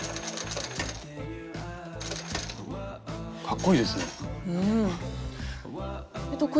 かっこいいですね。